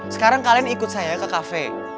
sekarang kalian ikut saya ke kafe